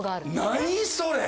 何それ！